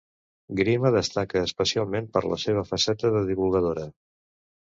Grima destaca especialment per la seva faceta de divulgadora.